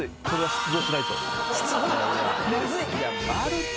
出動。